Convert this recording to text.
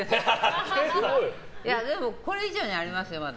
でも、これ以上ありますよ、まだ。